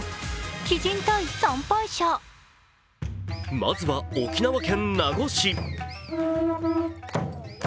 まずは沖縄県名護市。